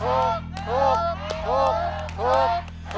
ถูก